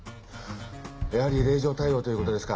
やはり令状対応という事ですか。